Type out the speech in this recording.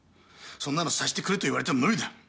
そんなの察してくれと言われても無理だ。